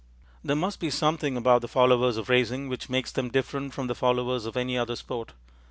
There must be something about the followers of racing which makes them different from the followers of any other sport.